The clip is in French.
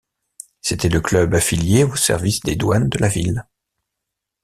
C'était le club affilié au services des Douanes de la ville.